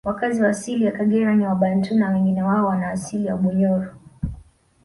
Wakazi wa asili ya Kagera ni wabantu na wengi wao wanaasili ya Bunyoro